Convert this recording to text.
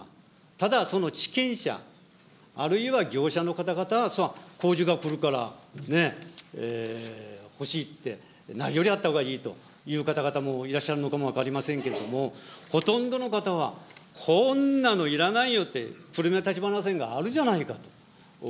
ただ、その地権者、あるいは業者の方々は、工事が来るから、欲しいって、ないよりあったほうがいいという方々もいらっしゃるのかも分かりませんけれども、ほとんどの方は、こんなのいらないよって、久留米立花線があるじゃないかと。